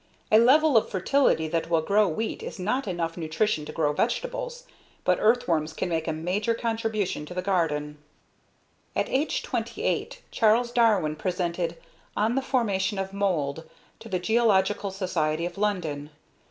A level of fertility that will grow wheat is not enough nutrition to grow vegetables, but earthworms can make a major contribution to the garden. At age 28, Charles Darwin presented "On the Formation of Mould" to the Geological Society of London.